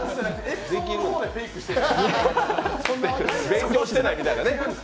勉強してないみたいな？